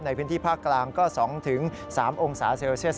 ในพื้นที่ภาคกลางก็๒๓องศาเซลเซียส